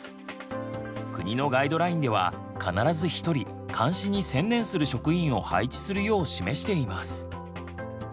国のガイドラインでは必ず１人監視に専念する職員を配置するよう示しています。